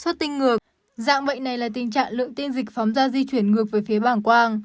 dạng bệnh này là tình trạng lượng tinh dịch phóng ra di chuyển ngược về phía bảng quang